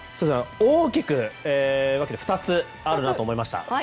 大きく分けて２つあるなと思いました。